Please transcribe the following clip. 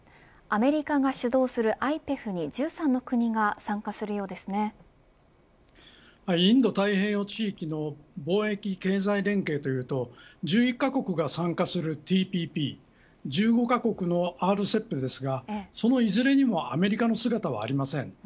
アメリカが主導するＩＰＥＦに１３の国がインド太平洋地域の貿易経済連携というと１１カ国が参加するＴＰＰ１５カ国のＲＣＥＰですがそのいずれにもアメリカの姿はありません。